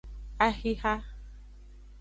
Axixa.